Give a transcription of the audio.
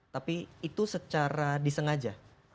tapi itu secara disengaja